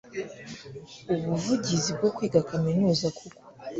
ubuvugizi bwo kwiga Kaminuza kuko